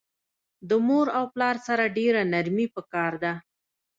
د مور او پلار سره ډیره نرمی پکار ده